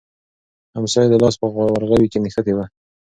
امسا یې د لاس په ورغوي کې نښتې وه.